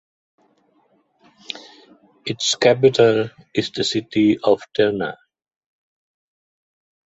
Its capital is the city of Terni.